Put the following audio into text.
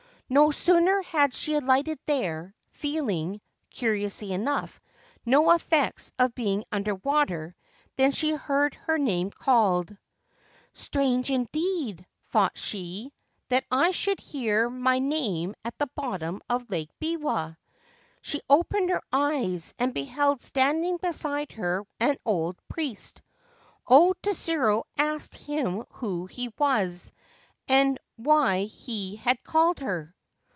No sooner had she alighted there, feeling (curiously enough) no effects of being under water, than she heard her name called. 129 17 Ancient Tales and Folklore of Japan ' Strange indeed/ thought she, ' that I should hear m name at the bottom of Lake Biwa !' She opened her eyes, and beheld standing beside he an old priest. O Tsuru asked him who he was, and wh he had called her.